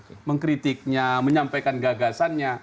menyampaikan kritiknya menyampaikan gagasannya